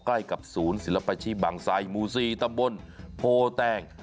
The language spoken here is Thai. ใกล้กับศูนย์ศิลปชิบังไซหมู่๔ตำบลโพแตง